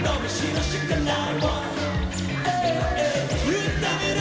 言ってみろ！